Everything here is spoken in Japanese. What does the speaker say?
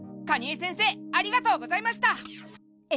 蟹江先生ありがとうございました！